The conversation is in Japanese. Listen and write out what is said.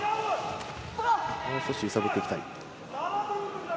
もう少し揺さぶっていきたい。